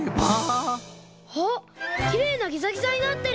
あっきれいなギザギザになってる！